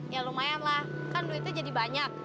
ya lumayanlah kan duitnya jadi banyak